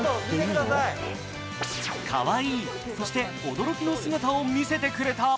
かわいい、そして驚きの姿を見せてくれた。